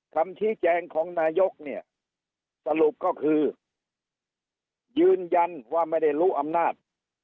คำชี้แจงของนายกเนี่ยสรุปก็คือยืนยันว่าไม่ได้รู้อำนาจ